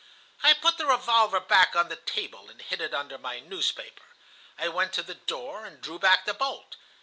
"I put the revolver back on the table, and hid it under my newspaper. I went to the door and drew back the bolt.